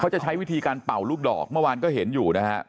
จะใช้วิธีการเป่าลูกดอกเมื่อวานก็เห็นอยู่นะฮะ